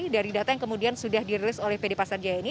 dari data yang kemudian sudah dirilis oleh pd pasar jaya ini